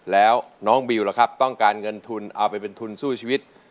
แล้วน้องบิวล่ะครับต้องการเงินทุนเอาไปเป็นทุนสู้ชีวิต